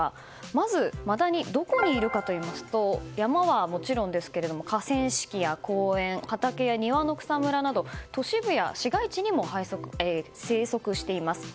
まずマダニどこにいるかといいますと山はもちろん、河川敷や公園畑や庭の草むらなどの都市部や市街地にも生息しています。